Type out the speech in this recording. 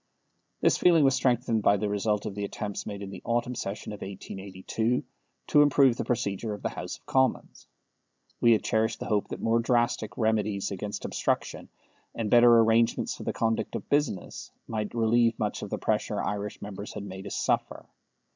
This feeling was strengthened by the result of the attempts made in the autumn session of 1882, to improve the procedure of the House of Commons. We had cherished the hope that more drastic remedies against obstruction and better arrangements for the conduct of business, might relieve much of the pressure Irish members had made us suffer.